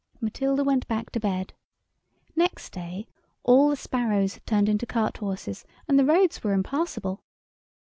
Matilda went back to bed. Next day all the sparrows had turned into cart horses, and the roads were impassable.